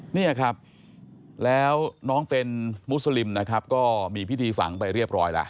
เนี่ยครับแล้วน้องเป็นมุสลิมนะครับก็มีพิธีฝังไปเรียบร้อยแล้ว